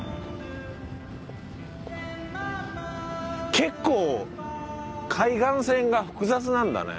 結構海岸線が複雑なんだね。